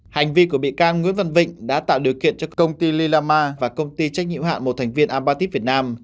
hành vi của bị can nguyễn văn vịnh đã tạo điều kiện cho công ty lila ma và công ty trách nhiệm hạn một thành viên apatit việt nam